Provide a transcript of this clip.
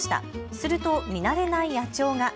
すると見慣れない野鳥が。